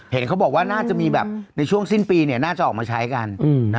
เห็นเขาบอกว่าน่าจะมีแบบในช่วงสิ้นปีเนี่ยน่าจะออกมาใช้กัน